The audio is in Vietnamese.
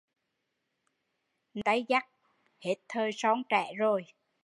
Ni tui đã tay bồng tay dắt, hết thời son trẻ rồi